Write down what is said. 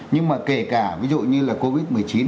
nhưng mà kể cả ví dụ như là covid một mươi chín